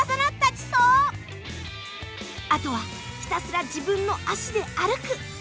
あとはひたすら自分の足で歩く。